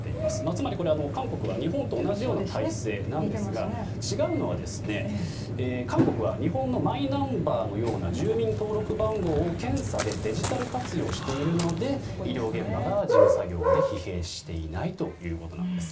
つまり、韓国は日本と同じような体制なんですが違うのは、韓国は日本のマイナンバーのような住民登録番号を検査でデジタル活用しているので医療現場が事務作業で疲弊していないということです。